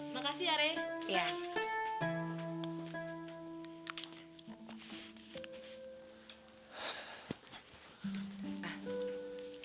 makasih ya rere